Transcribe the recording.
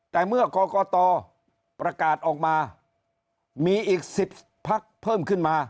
แต่เมื่อกรกตประกาศออกมามีอีก๑๐พักเพิ่มขึ้นมา